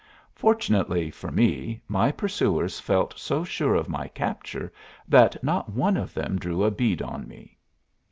Fortunately for me, my pursuers felt so sure of my capture that not one of them drew a bead on me.